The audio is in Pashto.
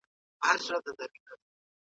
د وګړو به سول پورته آوازونه